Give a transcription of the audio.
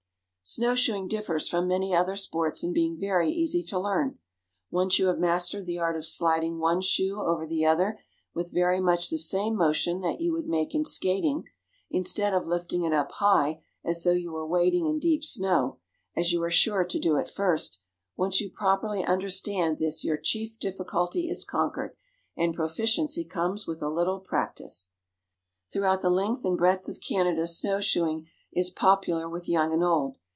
Snow shoeing differs from many other sports in being very easy to learn. Once you have mastered the art of sliding one shoe over the other with very much the same motion that you would make in skating, instead of lifting it up high as though you were wading in deep snow, as you are sure to do at first—once you properly understand this your chief difficulty is conquered, and proficiency comes with a little practice. Throughout the length and breadth of Canada snow shoeing is popular with young and old.